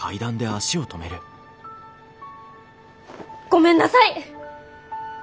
ごめんなさい！